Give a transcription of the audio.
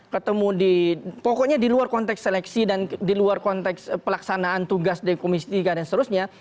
ketemu di pokoknya di luar konteks seleksi dan di luar konteks pelaksanaan tugas di komisi tiga dan seterusnya